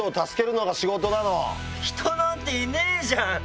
人なんていねえじゃん！